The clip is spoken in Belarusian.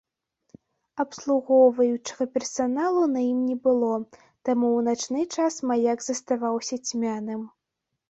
Абслугоўваючага персаналу на ім не было, таму ў начны час маяк заставаўся цьмяным.